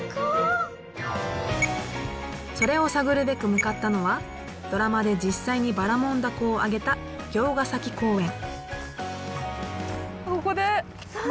それを探るべく向かったのはドラマで実際にばらもん凧をあげた魚津ヶ崎公園。